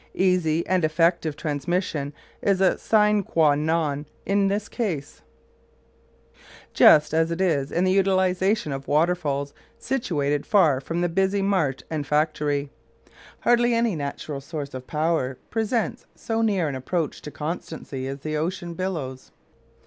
Easy and effective transmission is a sine quâ non in this case, just as it is in the utilisation of waterfalls situated far from the busy mart and factory. Hardly any natural source of power presents so near an approach to constancy as the ocean billows.